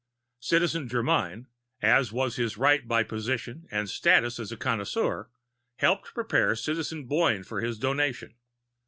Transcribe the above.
V Citizen Germyn, as was his right by position and status as a connoisseur, helped prepare Citizen Boyne for his Donation.